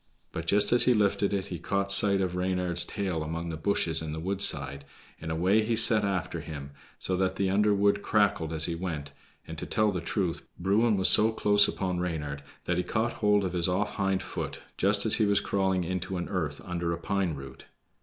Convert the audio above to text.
But just as he lifted it he caught sight of Reynard's tail among the bushes by the woodside, and away he set after him, so that the underwood crackled as he went, and, to tell the truth, Bruin was so close upon Reynard that he caught hold of his off hind foot just as he was crawling into an earth under a pine root.